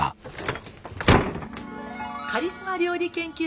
カリスマ料理研究家